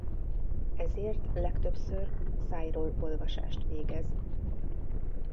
Ezért legtöbbször szájról olvasást végez.